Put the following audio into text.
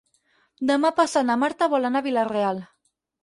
Demà passat na Marta vol anar a Vila-real.